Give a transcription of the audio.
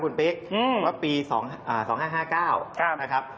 คุณปิ๊กว่าปี๒๕๕๙นะครับ